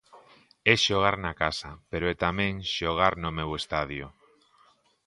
É xogar na casa pero é tamén xogar no meu estadio.